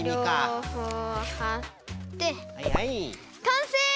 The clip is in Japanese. かんせい！